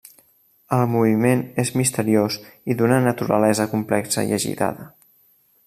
El moviment és misteriós i d'una naturalesa complexa i agitada.